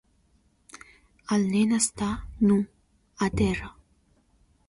El nen està nu, a terra.